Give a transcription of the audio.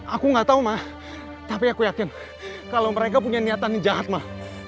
aku gak tau mah tapi aku yakin kalau mereka punya niatannya jahat mah